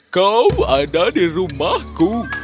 kau ada di rumahku